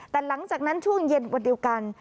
แต่หลังจากนั้นช่วงเย็นวันเดียวกัน